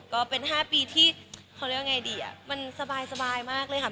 ก็เป็น๕ปีที่เขาเรียกว่าไงดีอ่ะมันสบายมากเลยค่ะ